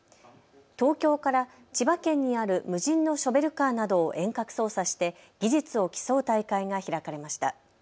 東京から千葉県にある無人のショベルカーなどを遠隔操作して技術を競う大会が開かれました。